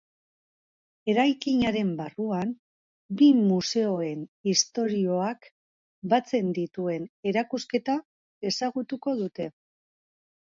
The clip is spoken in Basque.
Eraikinaren barrualdean, bi museoen istorioak batzen dituen erausketa ezagutuko dute.